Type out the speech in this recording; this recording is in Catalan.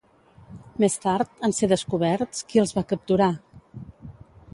Més tard, en ser descoberts, qui els va capturar?